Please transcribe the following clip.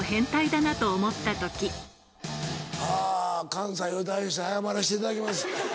関西を代表して謝らしていただきます。